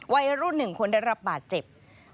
วัยรุ่น๑คนได้รับบาดเจ็บ